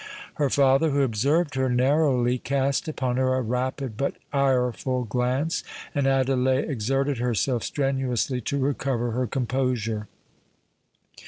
Her father, who observed her narrowly, cast upon her a rapid but ireful glance; and Adelais exerted herself strenuously to recover her composure.